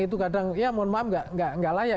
itu kadang ya mohon maaf nggak layak